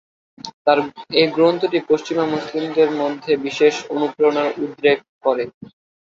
তার এ গ্রন্থটি পশ্চিমা মুসলিমদের মধ্যে বিশেষ অনুপ্রেরণার উদ্রেক করে।